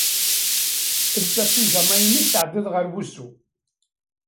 Els apijama-inek tɛeddiḍ ɣer wusu.